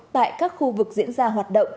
tại các khu vực diễn ra hoạt động